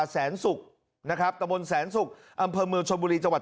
สานสุกตะบนสานสุกอำเภอเมืองชมบุรีจวัด